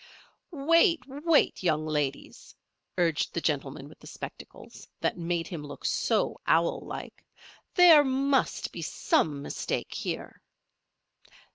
"Wait! wait, young ladies!" urged the gentleman with the spectacles that made him look so owl like. "There must be some mistake here."